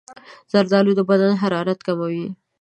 زردالو د بدن حرارت کموي.